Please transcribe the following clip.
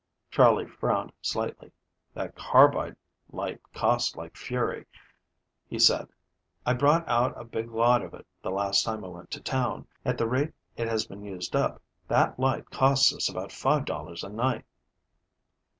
Charley frowned slightly. "That carbide light costs like fury," he said. "I brought out a big lot of it the last time I went to town. At the rate it has been used up, that light costs us about $5.00 a night."